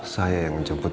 saya yang menjemputnya